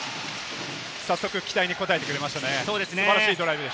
早速期待に応えてくれましたね。